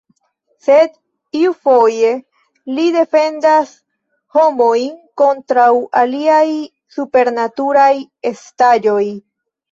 Sed iufoje li defendas homojn kontraŭ aliaj "supernaturaj" estaĵoj.